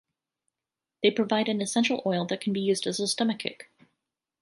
They provide an essential oil that can be used as a stomachic.